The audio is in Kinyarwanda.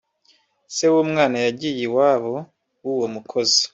se w’umwana yagiye iwabo w’uwo mukozi